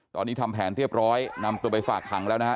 ตอนนี้ทำแผนเรียบร้อยนำตัวไปฝากขังแล้วนะฮะ